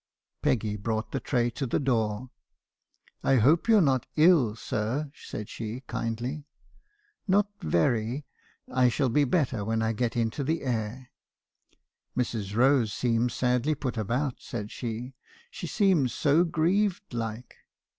"Peggy brought the tray to the door. " 'I hope you 're not ill, sir?' said she kindly. "' Not very. I shall be better when I get into the air.' " 'Mrs. Rose seems sadly put about,' said she, 'she seems so grieved like.'